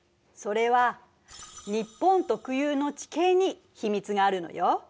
それは日本特有の地形に秘密があるのよ。